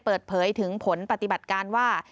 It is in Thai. เปิดเผยถึงผลปฏิบัติการว่า